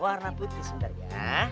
warna putih sebentar ya